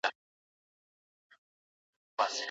روحي فشار د خېټې غوړ زیاتوي.